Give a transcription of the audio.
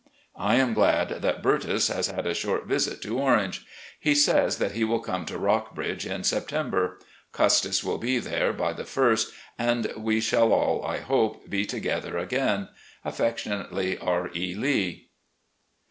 I am glad that Bertus has had a short visit to Orange. He says that he will come to Rockbridge in September. Cvistis will be there by the first, and we shall all, I hope, be together again. ' 'Affectionately, "R. E. Lee."